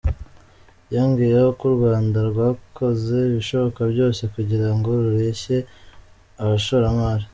Yongeyeho ko u Rwanda rwakoze ibishoboka byose kugira ngo rureshye abashoramari.